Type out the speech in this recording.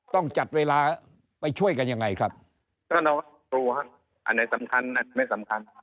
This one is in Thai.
ต้องจัดเวลาไปช่วยกันยังไงครับอันไหนสำคัญอันไหนไม่สำคัญ